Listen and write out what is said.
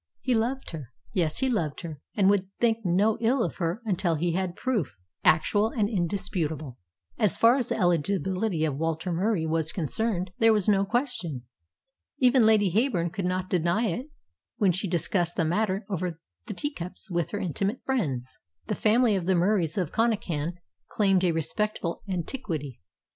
He loved her. Yes, he loved her, and would think no ill of her until he had proof, actual and indisputable. As far as the eligibility of Walter Murie was concerned there was no question. Even Lady Heyburn could not deny it when she discussed the matter over the tea cups with her intimate friends. The family of the Muries of Connachan claimed a respectable antiquity.